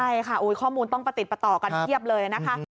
ใช่ค่ะข้อมูลต้องประติดประต่อกันเพียบเลยนะคะ